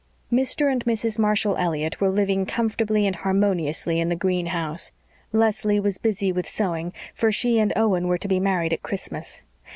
Mr. and Mrs. Marshall Elliott were living comfortably and harmoniously in the green house. Leslie was busy with sewing, for she and Owen were to be married at Christmas.